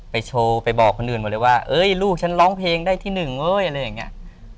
โชว์ไปบอกคนอื่นหมดเลยว่าเอ้ยลูกฉันร้องเพลงได้ที่หนึ่งเอ้ยอะไรอย่างนี้